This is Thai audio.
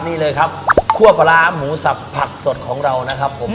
นี่เลยครับคั่วปลาร้าหมูสับผักสดของเรานะครับผม